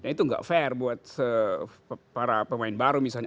itu nggak fair buat para pemain baru misalnya